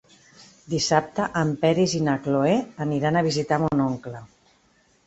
Dissabte en Peris i na Cloè aniran a visitar mon oncle.